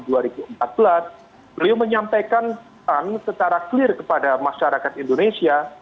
beliau menyampaikan pesan secara clear kepada masyarakat indonesia